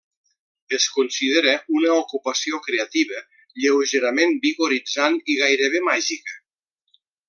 Es considera una ocupació creativa, lleugerament vigoritzant i gairebé màgica.